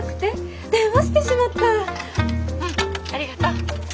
ありがとう。